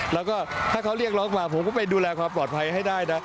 แล้วก็ถ้าเขาเรียกร้องมาผมก็ไปดูแลความปลอดภัยให้ได้นะ